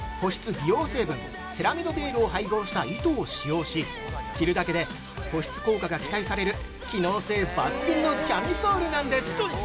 美容成分セラミドヴェールを配合した糸を使用し着るだけで、保湿効果が期待される機能性抜群のキャミソールなんです。